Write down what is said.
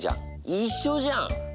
一緒じゃん！